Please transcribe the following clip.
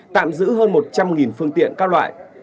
tạm giữ hơn một trăm linh phương tiện các loại